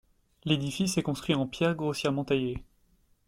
L'édifice est construit en pierres grossièrement taillées.